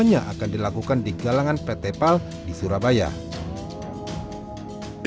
naval group misalnya mereka berjanji